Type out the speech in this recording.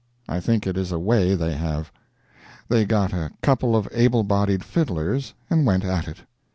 I think it is a way they have. They got a couple of able bodied fiddlers and went at it.